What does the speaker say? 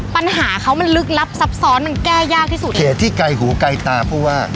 ปัญหาเขามันลึกลับซับซ้อนมันแก้ยากที่สุดเขตที่ไกลหูไกลตาผู้ว่า